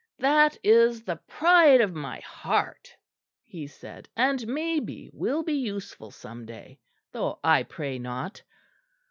"That is the pride of my heart," he said, "and maybe will be useful some day; though I pray not.